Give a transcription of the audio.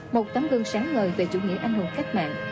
một tấm gương sáng ngời về chủ nghĩa anh hùng cách mạng